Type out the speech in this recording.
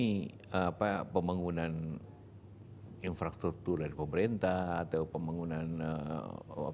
yang pertama ekonomi indonesia itu sudah dikeluarkan oleh pemerintah ini